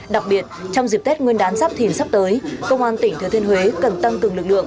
đặc biệt trong dịp tết nguyên đán giáp thìn sắp tới công an tỉnh thừa thiên huế cần tăng cường lực lượng